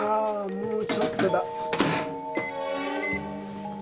もうちょっとだ。